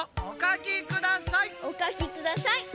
おかきください。